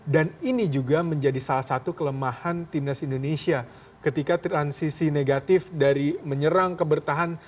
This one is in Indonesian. dan ini juga menjadi salah satu kelemahan timnas indonesia ketika transisi negatif dari menyerang ke bertahan